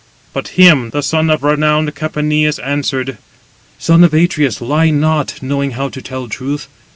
But him the son of renowned Capaneus answered: "Son of Atreus, lie not, knowing how to tell truth.